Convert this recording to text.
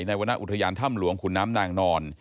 วรรณอุทยานถ้ำหลวงขุนน้ำนางนอน